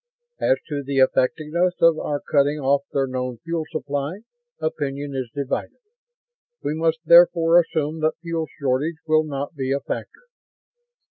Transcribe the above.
"As to the effectiveness of our cutting off their known fuel supply, opinion is divided. We must therefore assume that fuel shortage will not be a factor.